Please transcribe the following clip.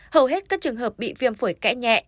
hầu hết các trường hợp bị viêm phổi kẽ nhẹ